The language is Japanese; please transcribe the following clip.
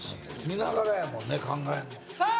見ながらやもんね考えんのさあ